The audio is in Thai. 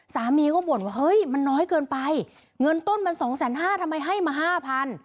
สามีก็บ่นว่าเฮ้ยมันน้อยเกินไปเงินต้นมัน๒๕๐๐๐๐ทำไมให้มา๕๐๐๐